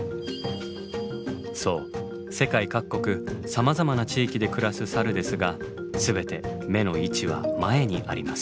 そう世界各国さまざまな地域で暮らすサルですが全て目の位置は前にあります。